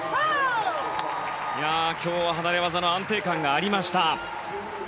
今日は離れ技の安定感がありました。